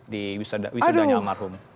di wisudanya almarhum